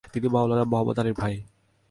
তিনি মাওলানা মুহাম্মদ আলির ভাই।